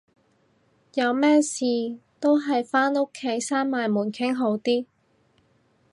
有咩都係返屋企閂埋門傾好啲